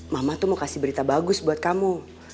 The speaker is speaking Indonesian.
mama tuh mau kasih berita bagus buat kamu